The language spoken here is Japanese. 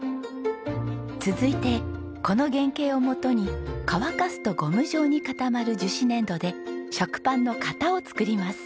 続いてこの原型をもとに乾かすとゴム状に固まる樹脂粘土で食パンの型を作ります。